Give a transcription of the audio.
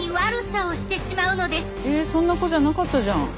えそんな子じゃなかったじゃん。